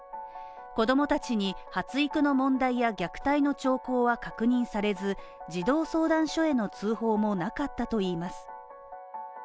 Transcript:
子供たちに発育の問題や虐待の兆候は確認されず児童相談所への通報もなかったといいます。